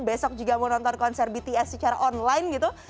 besok juga mau nonton konser bts secara online gitu